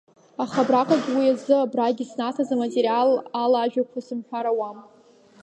Аха абраҟагьы уи азы Абрагь иснаҭаз аматериал ала ажәақәа сымҳәар ауам.